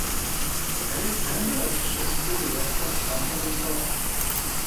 The city centre is just to the west of Sunderland Docks.